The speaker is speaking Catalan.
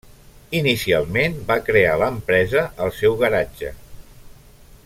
Inicialment va crear l'empresa al seu garatge.